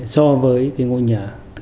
so với cái ngôi nhà thứ hai